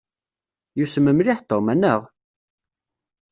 Yussem mliḥ Tom, anaɣ?